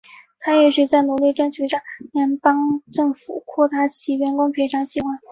她一直在努力争取让联邦政府扩大其员工赔偿计划。